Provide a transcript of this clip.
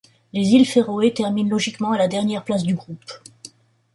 Les îles Féroé terminent logiquement à la dernière place du groupe.